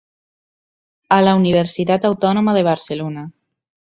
A la Universitat Autònoma de Barcelona.